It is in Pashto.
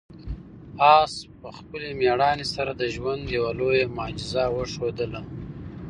آس په خپلې مېړانې سره د ژوند یوه لویه معجزه وښودله.